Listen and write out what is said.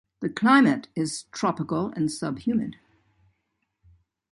The climate is tropical and subhumid.